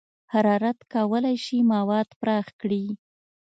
حرارت کولی شي مواد پراخ کړي.